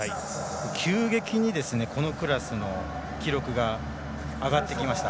急激にこのクラスの記録が上がってきました。